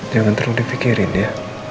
jangan terlalu difikirin ya